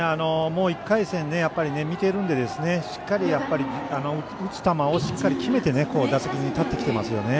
もう１回戦見てるのでしっかり、打つ球を決めて打席に立ってきていますね。